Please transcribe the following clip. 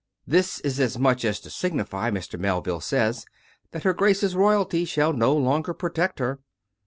This is as much as to signify, Mr. Melville says, that her Grace's royalty shall no longer protect her.